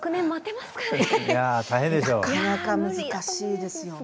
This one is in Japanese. なかなか難しいですよね。